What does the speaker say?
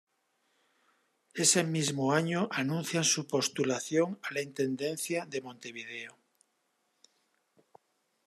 Ese mismo año anuncian su postulación a la Intendencia de Montevideo.